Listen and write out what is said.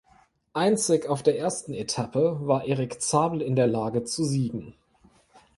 Einzig auf der ersten Etappe war Erik Zabel in der Lage zu siegen.